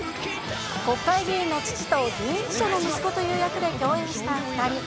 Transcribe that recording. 国会議員の父と議員秘書の息子という役で共演した２人。